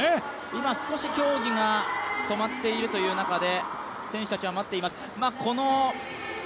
今少し競技が止まっているという中で選手たちは待っています。